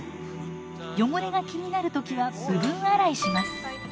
汚れが気になる時は部分洗いします。